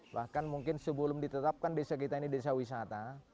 bahkan mungkin sebelum ditetapkan desa kita ini desa wisata